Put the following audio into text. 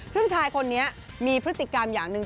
ซึ่งชายคนนี้มีพฤติกรรมอย่างหนึ่ง